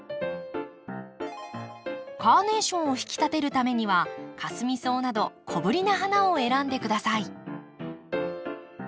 カーネーションを引き立てるためにはカスミソウなど小ぶりな花を選んで下さい。